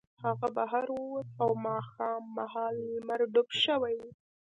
هغه بهر ووت او ماښام مهال لمر ډوب شوی و